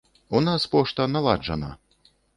У нас пошта наладжана.